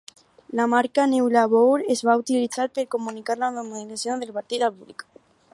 La marca "New Labour" es va utilitzar per comunicar la modernització del partit al públic.